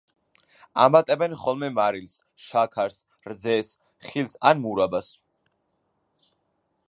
ამატებენ ხოლმე მარილს, შაქარს, რძეს, ხილს ან მურაბას.